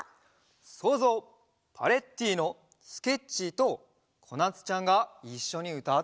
そうぞうパレッティーノスケッチーとこなつちゃんがいっしょにうたっているところだよ！